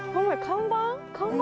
看板？